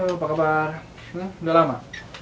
hai hai apa kabar udah lama